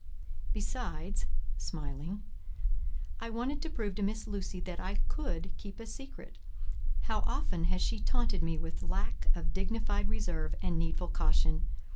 Besides" (smiling) "I wanted to prove to Miss Lucy that I could keep a secret. How often has she taunted me with lack of dignified reserve and needful caution!